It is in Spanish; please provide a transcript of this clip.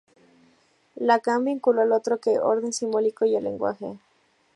Lacan vinculó al Otro con el orden simbólico y el lenguaje.